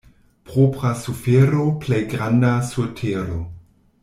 Propra sufero — plej granda sur tero.